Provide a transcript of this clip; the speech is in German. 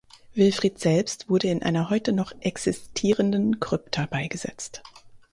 Wilfrid selbst wurde in einer heute noch existierenden Krypta beigesetzt.